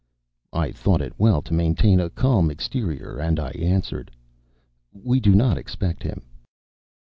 I thought it well to maintain a calm exterior, and I answered: "We do not expect him."